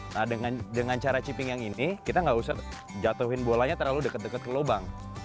nah dengan cara chipping yang ini kita nggak usah jatuhin bolanya terlalu dekat dekat ke lubang